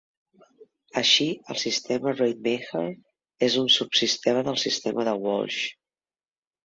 Així, el sistema Rademacher és un subsistema del sistema de Walsh.